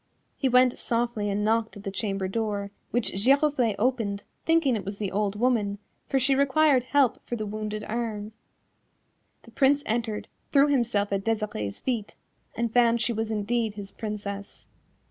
He went softly and knocked at the chamber door, which Giroflée opened, thinking it was the old woman, for she required help for the wounded arm. The Prince entered, threw himself at Desirée's feet, and found she was indeed his Princess.